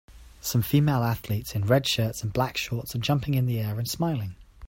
Some female athletes in red shirts and black shorts are jumping in the air and smiling.